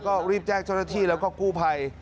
ก็รีบแจ้งเจ้าหน้าที่แล้วก็กู้ภัย